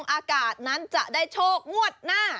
อากาศนั้นจะได้โชคงวดหน้า